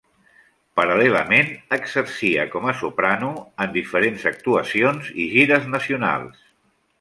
Paral·lelament, exercia com a soprano en diferents actuacions i gires nacionals.